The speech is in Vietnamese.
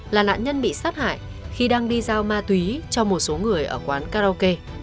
là nạn nhân bị sát hại khi đang đi giao ma túy cho một số người ở quán karaoke